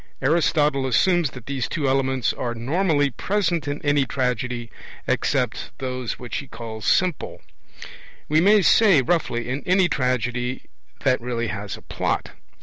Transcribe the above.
Aristotle assumes that these two elements are normally present in any tragedy, except those which he calls 'simple'; we may say, roughly, in any tragedy that really has a plot.